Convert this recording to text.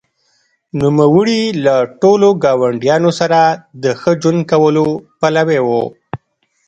نوموړي له ټولو ګاونډیانو سره د ښه ژوند کولو پلوی و.